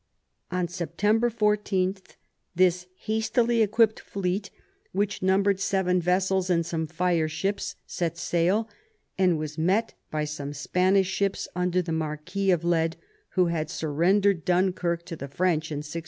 On September 14 this hastily equipped fleet, which numbered seven vessels and some fire ships, set sail, and was met by some Spanish ships under the Marquis of Leyde, who had surrendered Dunkirk to the French in 1646.